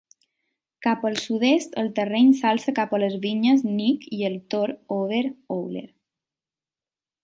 Cap al sud-est el terreny s'alça cap a les vinyes Nick i el tor Over Owler.